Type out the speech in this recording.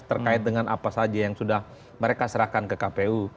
terkait dengan apa saja yang sudah mereka serahkan ke kpu